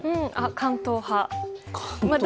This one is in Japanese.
関東派。